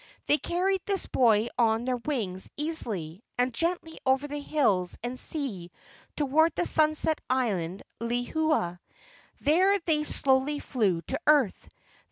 They carried this boy on their wings easily and gently over the hills and sea toward the sunset island, Lehua. There they slowly flew to earth.